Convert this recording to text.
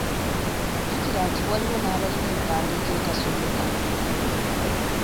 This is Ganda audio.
Jjukira nti waliwo n'abalina empandiika etasomeka.